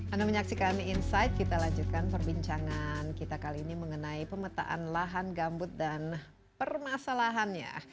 anda menyaksikan insight kita lanjutkan perbincangan kita kali ini mengenai pemetaan lahan gambut dan permasalahannya